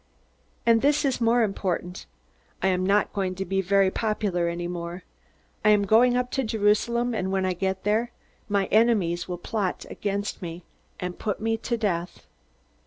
And this is more important: I am not going to be very popular any more. I am going up to Jerusalem, and when I get there, my enemies will plot against me and put me to death."